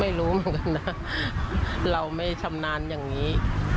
ไม่รู้เหมือนกันนะเราไม่ชำนาญอย่างนี้